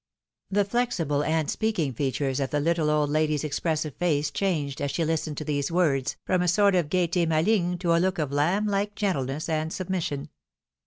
The flexible and speaking features of the little old lady's expressive face changed, as she listened to these words, from a sort of gaiete maligne to a look of lamb hie gentleness and submission.